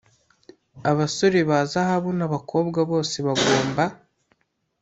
abasore ba zahabu nabakobwa bose bagomba,